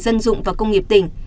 dân dụng và công nghiệp tỉnh